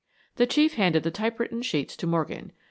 The Chief handed the typewritten sheets to Morgan.